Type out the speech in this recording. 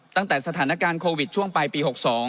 ตั้งแต่สถานการณ์โควิดช่วงปลายปี๖๒